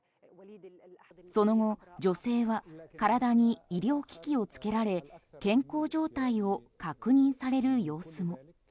その後、女性は体に医療機器をつけられ健康状態を確認される様子も。